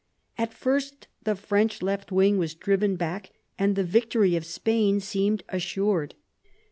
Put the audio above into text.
At first the French left wing was driven back and the victory of Spain seemed assured.